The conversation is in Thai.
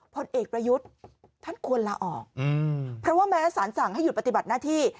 ผลเอกประยุทธ์ท่านควรลาออกเพราะว่าแม้สารสั่งให้หยุดปฏิบัติหน้าที่